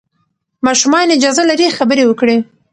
ماشومان اجازه لري خبرې وکړي.